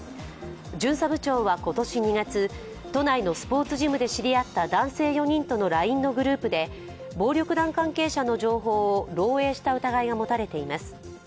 巡査部長は今年２月、都内のスポーツジムで知り合った男性４人とのＬＩＮＥのグループで、暴力団関係者の情報を漏えいした疑いが持たれています。